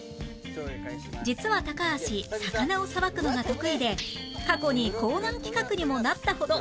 実は高橋魚をさばくのが得意で過去にコーナー企画にもなったほど